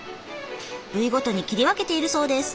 部位ごとに切り分けているそうです。